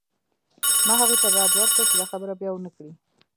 ما هغې ته ډاډ ورکړ چې دا خبره بیا ونه کړې